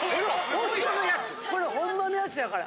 これホンマのやつやから。